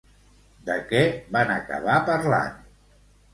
De què van acabar parlant?